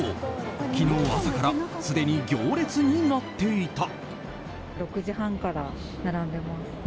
昨日朝からすでに行列になっていた。